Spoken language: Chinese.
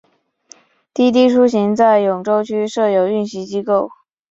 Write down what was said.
滴滴出行在永川区设有运营机构。